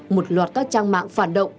một loạt các trang mạng phản động